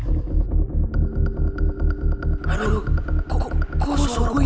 tidak ada yang bisa dihukum